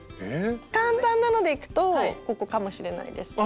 簡単なのでいくとここかもしれないですね。